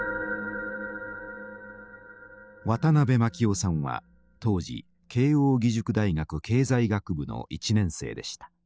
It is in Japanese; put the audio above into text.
渡辺夫さんは当時慶応義塾大学経済学部の１年生でした。